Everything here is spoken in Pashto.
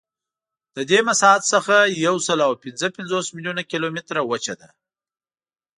له دې مساحت څخه یوسلاوپینځهپنځوس میلیونه کیلومتره وچه ده.